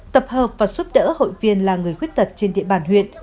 tập hợp và giúp đỡ hội viên là người khuyết tật trên địa bàn huyện